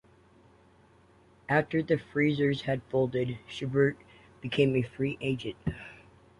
After the Freezers had folded, Schubert became a free agent.